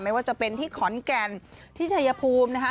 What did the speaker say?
ไม่ว่าจะเป็นที่ขอนแก่นที่ชายภูมินะคะ